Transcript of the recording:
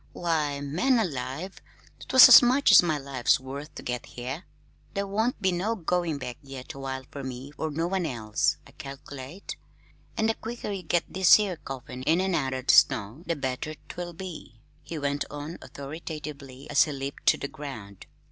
"Why, man alive, 'twas as much as my life's worth to get here. There won't be no goin' back yet awhile fer me nor no one else, I calc'late. An' the quicker you get this 'ere coffin in out of the snow, the better't will be," he went on authoritatively as he leaped to the ground.